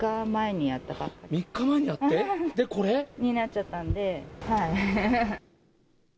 ３日前にやって、で、これ？になっちゃったんで。